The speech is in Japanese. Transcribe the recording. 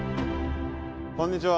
こんにちは。